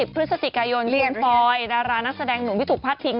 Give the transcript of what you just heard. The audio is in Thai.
๒๐พฤศจิกายนฝ่อยดารานักแสดงหนุ่มพิธุพัทธิง